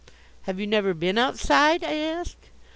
"Have you never been Outside?" I asked.